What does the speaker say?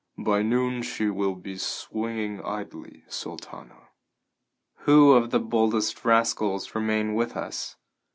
By noon she will be swinging idly, Sultana." "Who of the boldest rascals remain with us?"